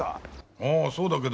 ああそうだけど？